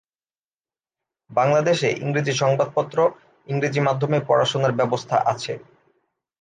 বাংলাদেশে ইংরেজি সংবাদ পত্র, ইংরেজি মাধ্যমে পড়াশোনার ব্যবস্থা আছে।